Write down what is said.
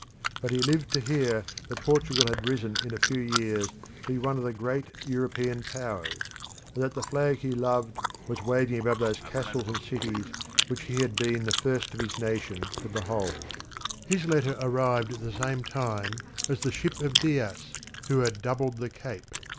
But he lived to hear that Portugal had risen in a few years to be one of the great European powers, and that the flag he loved was waving above those castles and cities which he had been the first of his nation to behold. His letter arrived at the same time as the ship of Dias, who had doubled the Cape.